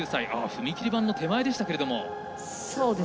踏切板の手前でしたけど。